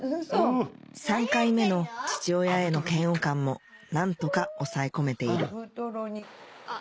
３回目の父親への嫌悪感も何とか抑え込めているあっ